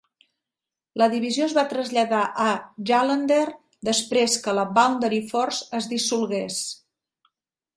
La Divisió es va traslladar a Jullunder després que la Boundary Force es dissolgués.